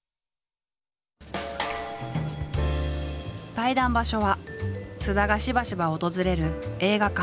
対談場所は菅田がしばしば訪れる映画館。